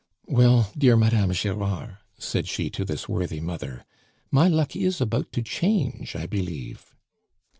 "Well, dear Madame Gerard," said she to this worthy mother, "my luck is about to change, I believe."